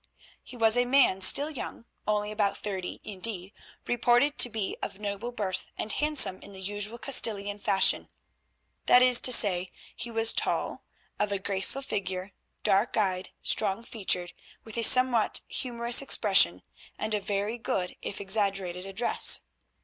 He was a man still young, only about thirty indeed, reported to be of noble birth, and handsome in the usual Castilian fashion. That is to say, he was tall, of a graceful figure, dark eyed, strong featured, with a somewhat humorous expression, and of very good if exaggerated address.